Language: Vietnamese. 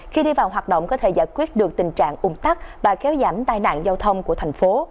khi đi vào hoạt động có thể giải quyết được tình trạng ủng tắc và kéo giảm tai nạn giao thông của thành phố